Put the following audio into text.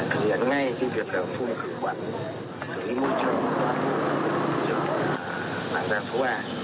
thực hiện ngay chi tiết phù hợp khu vực quản lý môi trường của tầng lạng giang số ba